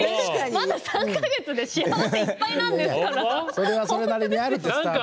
まだ３か月で幸せいっぱいなんですから。